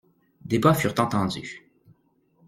Des pas furent entendus.